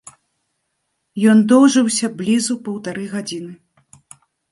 Ён доўжыўся блізу паўтары гадзіны.